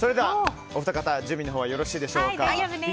準備のほうはよろしいでしょうか。